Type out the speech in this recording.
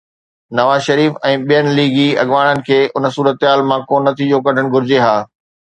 نواز شريف ۽ ٻين ليگي اڳواڻن کي ان صورتحال مان ڪو نتيجو ڪڍڻ گهرجي ها.